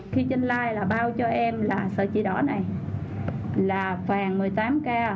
khi trên live là bao cho em là sợi chi đỏ này là vàng một mươi tám k